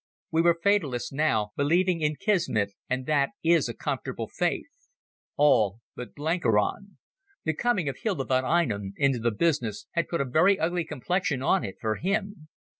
We were fatalists now, believing in Kismet, and that is a comfortable faith. All but Blenkiron. The coming of Hilda von Einem into the business had put a very ugly complexion on it for him.